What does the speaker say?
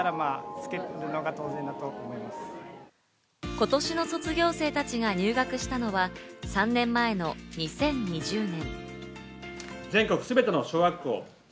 今年の卒業生たちが入学したのは３年前の２０２０年。